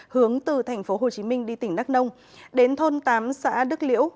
hướng từ thành phố hồ chí minh đi tỉnh nắc nông đến thôn tám xã đức liễu